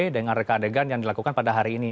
dengan reka adegan yang dilakukan pada hari ini